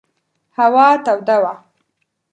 هوا توده وه.